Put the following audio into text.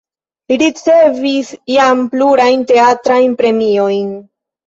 Li ricevis jam plurajn teatrajn premiojn.